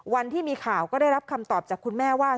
วันที่มีข่าวก็ได้รับคำตอบจากคุณแม่ว่า